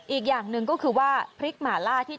อีกอย่างนึงนั้นก็คือพริกหม่าล่าที่